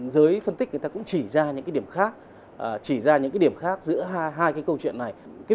giới phân tích cũng chỉ ra những điểm khác giữa hai câu chuyện này